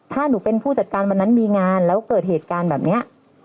ถ้าหนูเป็นผู้จัดการวันนั้นมีงานแล้วเกิดเหตุการณ์แบบนี้